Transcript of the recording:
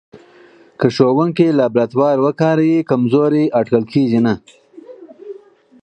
که ښوونکی لابراتوار وکاروي، کمزوری اټکل نه کېږي.